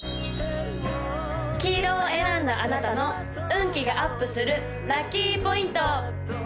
黄色を選んだあなたの運気がアップするラッキーポイント！